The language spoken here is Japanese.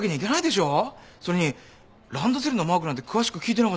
それにランドセルのマークなんて詳しく聞いてなかったし。